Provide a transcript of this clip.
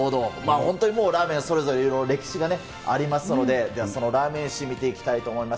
本当にもうラーメン、それぞれいろいろ歴史がありますので、では、そのラーメン史、見ていきたいと思います。